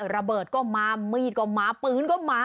ระเบิดก็มามีดก็มาปืนก็มา